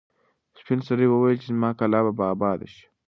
سپین سرې وویل چې زما کلا به اباده شي.